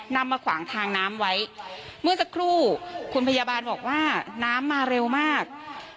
มาขวางทางน้ำไว้เมื่อสักครู่คุณพยาบาลบอกว่าน้ำมาเร็วมาก